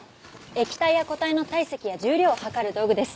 液体や固体の体積や重量を量る道具です。